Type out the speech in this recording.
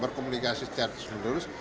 berkomunikasi secara terus menerus